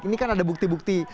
ini kan ada bukti bukti